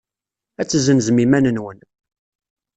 Ad tezzenzem iman-nwen.